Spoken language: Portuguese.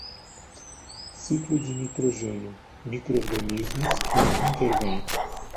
Ciclo de nitrogênio: microorganismos que intervêm.